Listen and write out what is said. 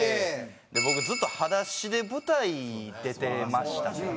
僕ずっと裸足で舞台出てましたから。